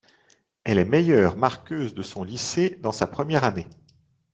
Elle est meilleure marqueuse de son lycée dans sa première année.